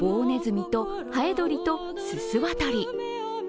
ネズミとハエドリとススワタリ。